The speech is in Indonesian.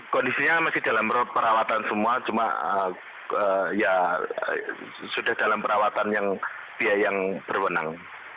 kondisinya masih dalam perawatan semua cuma ya sudah dalam perawatan yang biaya yang berwenang